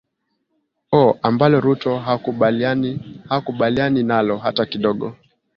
o ambalo ruto hakubaliani nalo hata kidogo